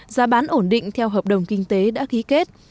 giá bán ổn định theo hợp đồng kinh tế đã ký kết